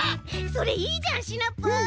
それいいじゃんシナプー！